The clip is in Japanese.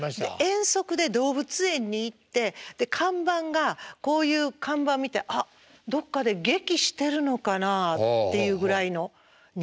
遠足で動物園に行って看板がこういう看板見て「あどっかで劇してるのかなあ」っていうぐらいの認識。